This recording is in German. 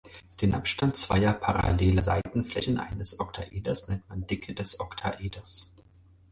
Den Abstand zweier paralleler Seitenflächen eines Oktaeders nennt man "„Dicke des Oktaeders“".